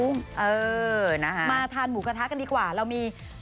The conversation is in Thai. มาทานหมู่กระทะกันดีกว่าเรามี